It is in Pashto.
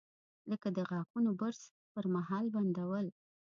لکه د غاښونو برش پر مهال نل بندول.